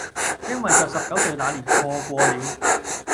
因為在十九歲那年錯過了